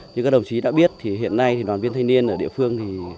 như các đồng chí đã biết hiện nay đoàn viên thanh niên ở địa phương